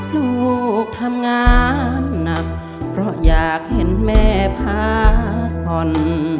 ลูกทำงานหนักเพราะอยากเห็นแม่พักผ่อน